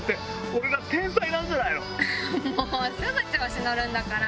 すぐ調子乗るんだから！